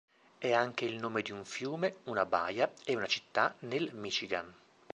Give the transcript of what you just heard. È anche il nome di un fiume, una baia e una città nel Michigan.